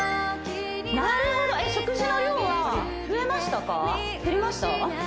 なるほど食事の量は増えましたか？